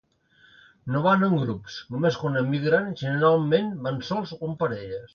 No van en grups, només quan emigren, generalment van sols o en parelles.